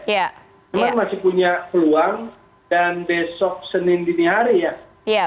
memang masih punya peluang dan besok senin dini hari ya